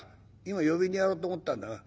今呼びにやろうと思ったんだが。